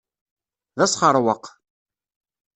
D asxeṛweq.